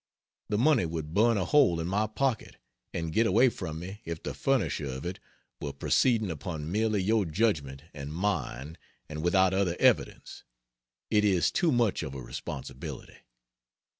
The money would burn a hole in my pocket and get away from me if the furnisher of it were proceeding upon merely your judgment and mine and without other evidence. It is too much of a responsibility.